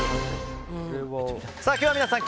今日は皆さん